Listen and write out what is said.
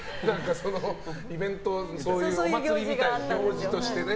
そういうお祭りみたいな行事としてね。